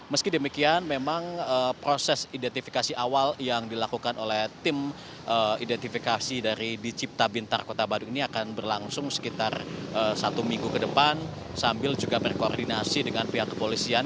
meski demikian memang proses identifikasi awal yang dilakukan oleh tim identifikasi dari dicipta bintar kota bandung ini akan berlangsung sekitar satu minggu ke depan sambil juga berkoordinasi dengan pihak kepolisian